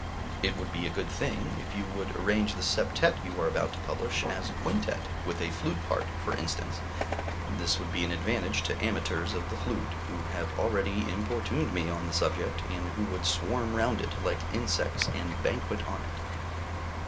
It would be a good thing if you would arrange the septet you are about to publish as a quintet, with a flute part, for instance; this would be an advantage to amateurs of the flute, who have already importuned me on the subject, and who would swarm round it like insects and banquet on it.